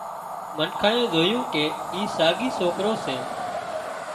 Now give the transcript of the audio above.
منکانئي زويون ڪي اي ساڳي سوڪرو سي